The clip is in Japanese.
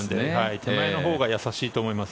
手前のほうが易しいと思います。